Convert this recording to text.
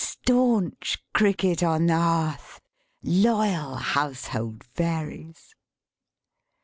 Staunch Cricket on the Hearth! Loyal household Fairies!